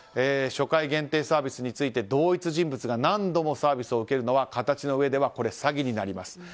初回限定サービスについて同一人物が何度もサービスを受けるのは形の上では詐欺になります。